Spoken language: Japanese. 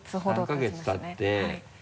３か月たって。